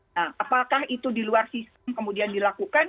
nah apakah itu di luar sistem kemudian dilakukan